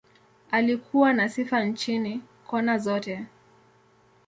Alikuwa na sifa nchini, kona zote.